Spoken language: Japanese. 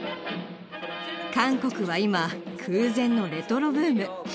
韓国は今空前のレトロブーム。